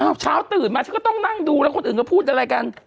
เช้าตื่นมาฉันก็ต้องนั่งดูแล้วคนอื่นก็พูดอะไรกัน